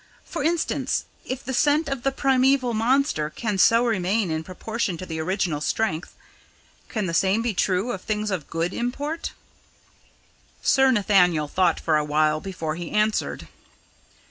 For instance, if the scent of the primaeval monster can so remain in proportion to the original strength, can the same be true of things of good import?" Sir Nathaniel thought for a while before he answered.